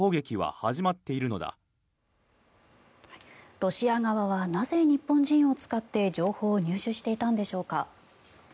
ロシア側はなぜ、日本人を使って情報を入手していたんでしょうか。